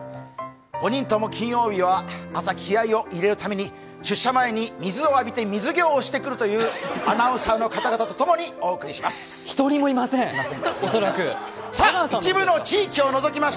５人とも金曜日は朝、気合いを入れるために水を浴びて水行をしてくるというアナウンサーの方々とともにお送りしてまいります。